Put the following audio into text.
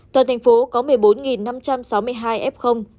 toàn thành phố có một mươi bốn năm trăm sáu mươi hai f